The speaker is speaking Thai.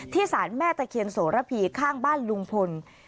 สารแม่ตะเคียนโสระพีข้างบ้านลุงพล